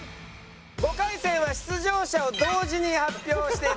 ５回戦は出場者を同時に発表していただきます。